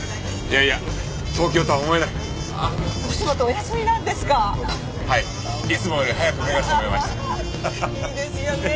いいですよねえ。